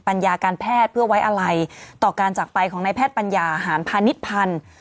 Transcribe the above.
ญาการแพทย์เพื่อไว้อะไรต่อการจากไปของนายแพทย์ปัญญาหารพาณิชพันธ์